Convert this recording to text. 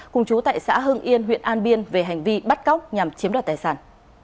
cùng chú tại xã hưng yên huyện an biên về hành vi bắt cóc nhằm chiếm đoạt tài sản